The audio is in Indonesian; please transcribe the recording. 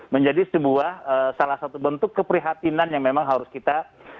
menjadi sebuah salah satu bentuk keprihatinan yang memang harus kita